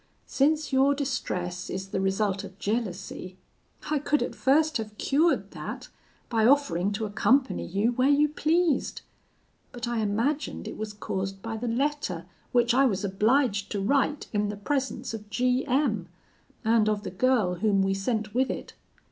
Since your distress is the result of jealousy, I could at first have cured that by offering to accompany you where you pleased. But I imagined it was caused by the letter which I was obliged to write in the presence of G M , and of the girl whom we sent with it.